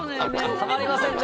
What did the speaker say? たまりませんね。